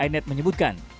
amenetik inet menyebutkan